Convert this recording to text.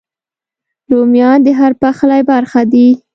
رومیان د هر پخلي برخه دي